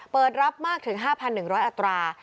เปิดรับมากถึง๕๑๐๐อัตรา